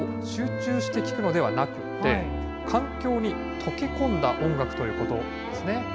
集中して聴くのではなくて、環境に溶け込んだ音楽ということですね。